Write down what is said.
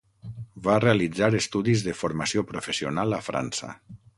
Va realitzar estudis de Formació Professional a França.